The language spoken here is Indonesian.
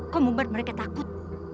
kau membuat mereka takut